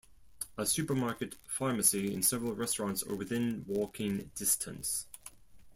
A supermarket, pharmacy, and several restaurants are within walking distance.